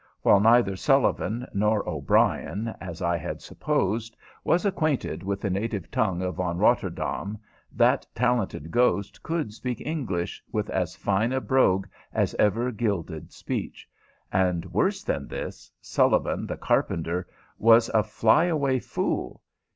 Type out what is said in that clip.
While neither Sullivan nor O'Brien, as I had supposed, was acquainted with the native tongue of Von Rotterdaam, that talented ghost could speak English with as fine a brogue as ever gilded speech; and, worse than this, Sullivan, the carpenter, was a fly away fool.